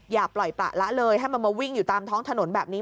อย่าปล่อยประละเลยให้มันมาวิ่งอยู่ตามท้องถนนแบบนี้